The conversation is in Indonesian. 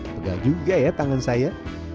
pegal juga ya tangan saya